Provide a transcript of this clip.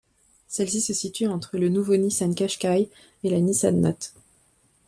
Celle-ci se situe entre le nouveau Nissan Qashqai et la Nissan Note.